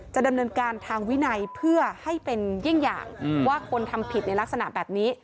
ดำเนินการทางวินัยเพื่อให้เป็นเยี่ยงอย่างว่าคนทำผิดในลักษณะแบบนี้